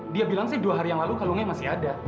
dia bilang sih dua hari yang lalu kalungnya masih ada